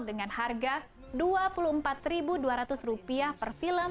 dengan harga rp dua puluh empat dua ratus per film